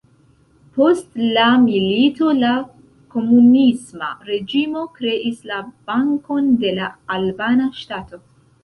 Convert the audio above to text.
Post la milito la komunisma reĝimo kreis la Bankon de la Albana Ŝtato.